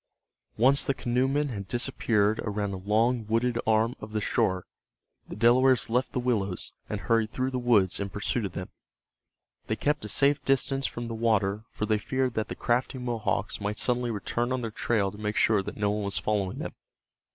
Once the canoemen had disappeared around a long wooded arm of the shore, the Delawares left the willows, and hurried through the woods in pursuit of them. They kept a safe distance from the water for they feared that the crafty Mohawks might suddenly return on their trail to make sure that no one was following them.